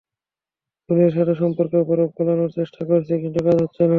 জুনের সাথে সম্পর্কের বরফ গলানোর চেষ্টা করছি কিন্তু কাজ হচ্ছে না।